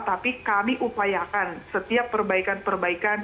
tapi kami upayakan setiap perbaikan perbaikan